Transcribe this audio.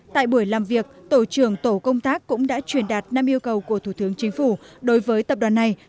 tại buổi làm việc tổ trưởng tổ công tác cũng đã truyền đạt năm yêu cầu của thủ tướng chính phủ đối với tập đoàn này